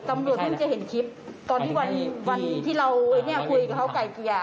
เพิ่งจะเห็นคลิปตอนที่วันที่เราเนี่ยคุยกับเขาไก่เกลี่ย